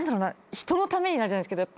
人のためにじゃないですけど。